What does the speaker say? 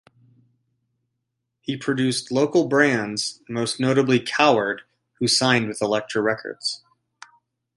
He produced local bands, most notably Coward, who signed with Elektra Records.